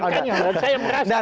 nah saya merasa